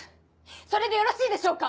それでよろしいでしょうか？